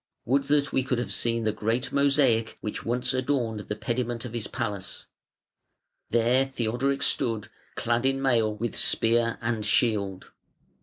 Would that we could have seen the great mosaic which once adorned the pediment of his palace. There Theodoric stood, clad in mail, with spear and shield.